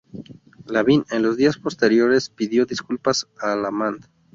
Lavín, en los días posteriores, pidió disculpas a Allamand.